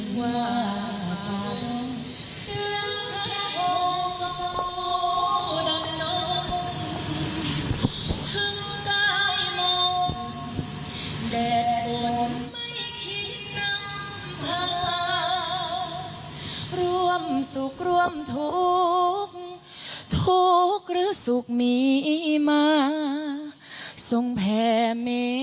ข้าเลยต้องสู้ต้องก้าวพระราชกาลที่สังเฉยด้านหน้าเพื่อแสดงความอาลัยในหลวงใจ